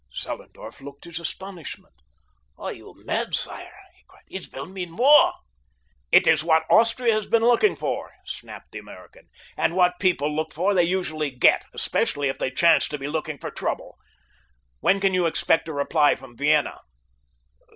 Zellerndorf looked his astonishment. "Are you mad, sire?" he cried. "It will mean war!" "It is what Austria has been looking for," snapped the American, "and what people look for they usually get, especially if they chance to be looking for trouble. When can you expect a reply from Vienna?"